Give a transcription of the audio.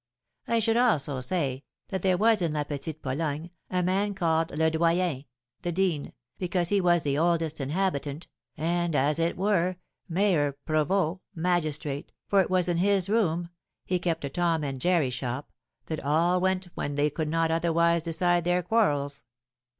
I should also say that there was in La Petite Pologne a man called Le Doyen (the Dean), because he was the 'oldest inhabitant,' and, as it were, mayor, provost, magistrate, for it was in his room (he kept a Tom and Jerry shop) that all went when they could not otherwise decide their quarrels.